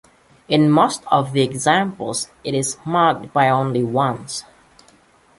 In most of the examples, it is marked only once.